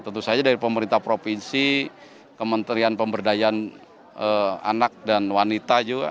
tentu saja dari pemerintah provinsi kementerian pemberdayaan anak dan wanita juga